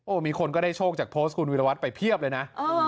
มีคนก็ได้โชคจากโพสต์คุณวิรวัตรไปเพียบเลยนะ